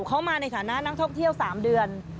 เขามาในฐานะนักท่องเที่ยว๓เดือน